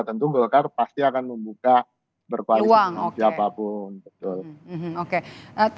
tentu golkar pasti akan membuka berkoalisi dengan siapapun